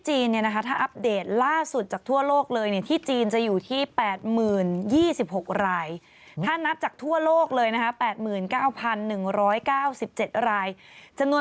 อืมอืมอืมอืมอืม